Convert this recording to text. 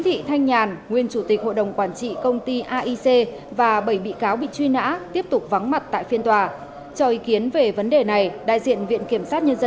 tin an ninh trật tự cập nhật